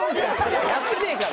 やってねえから。